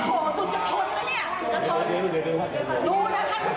หนูก็เลือกท่านนะน้องพักเมืองลาจัดเสียงเนี่ย